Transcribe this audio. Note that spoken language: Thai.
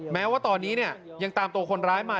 แม้ว่าตอนนี้เนี่ยยังตามตัวคนร้ายมา